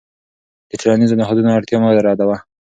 د ټولنیزو نهادونو اړتیا مه ردوه.